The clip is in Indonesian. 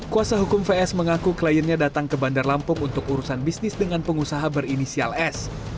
kuasa hukum vs mengaku kliennya datang ke bandar lampung untuk urusan bisnis dengan pengusaha berinisial s